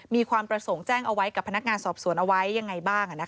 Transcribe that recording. มีความประสงค์แจ้งเอาไว้กับพนักงานสอบสวนเอาไว้ยังไงบ้าง